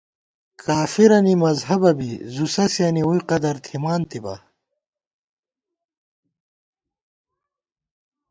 کافَرَنی مذہَبہ بی، زُو سَسِیَنی ووئی قدر تھِمانتِبا